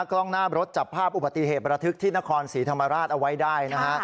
กล้องหน้ารถจับภาพอุบัติเหตุประทึกที่นครศรีธรรมราชเอาไว้ได้นะฮะ